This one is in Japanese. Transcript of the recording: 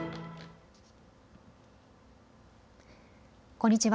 こんにちは。